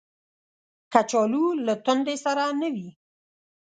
کچالو له تندې سره نه وي